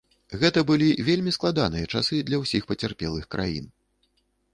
Гэта былі вельмі складаныя часы для ўсіх пацярпелых краін.